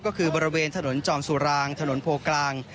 ก็คือบริเวณถนนจอมสุรางถนนโพกลาง